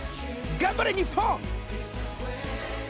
頑張れ日本！